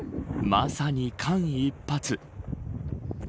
まさに、間一髪。